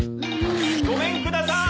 ・ごめんください！